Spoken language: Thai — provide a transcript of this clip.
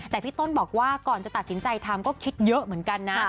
แต่พี่ต้นบอกว่าก่อนจะตัดสินใจทำก็คิดเยอะเหมือนกันนะ